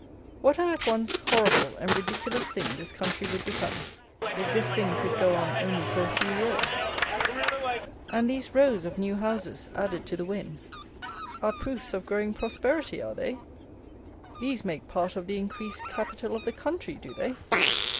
What an at once horrible and ridiculous thing this country would become, if this thing could go on only for a few years! And these rows of new houses, added to the Wen, are proofs of growing prosperity, are they? These make part of the increased capital of the country, do they?